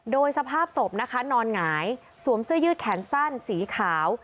โดยสภาพศพนะคะนอนหงายสวมเสื้อยืดแขนสั้นสีขาว